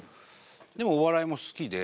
でもお笑いも好きで。